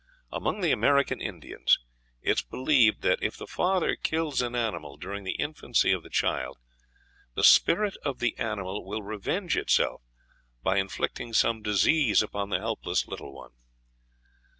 Among the American Indians it is believed that, if the father kills an animal during the infancy of the child, the spirit of the animal will revenge itself by inflicting some disease upon the helpless little one.